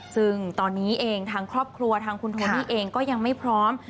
ซึ่งตอนนี้เองทางครอบครัวทางคุณโทนี่เองก็ยังไม่พร้อม